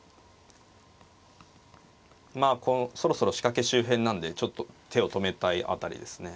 まあそろそろ仕掛け周辺なんでちょっと手を止めたい辺りですね。